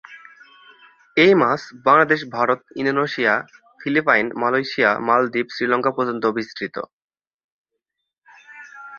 এই মাছ Bangladesh, Bharat, Indonesia, Philippine, Malaysia, Maldives, Sri Lanka পর্যন্ত বিস্তৃত।